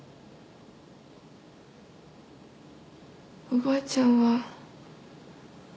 おばあちゃんは。